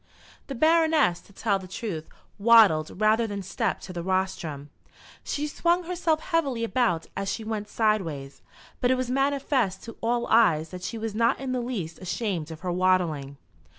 The Baroness, to tell the truth, waddled rather than stepped to the rostrum. She swung herself heavily about as she went sideways; but it was manifest to all eyes that she was not in the least ashamed of her waddling.